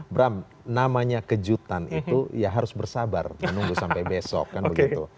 bram namanya kejutan itu ya harus bersabar menunggu sampai besok kan begitu